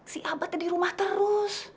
si abah tadi rumah terus